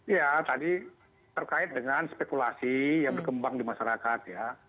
ya tadi terkait dengan spekulasi yang berkembang di masyarakat ya